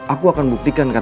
itu sweat konten yang baik